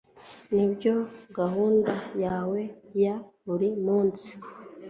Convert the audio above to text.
nibyo gahunda yawe ya buri munsi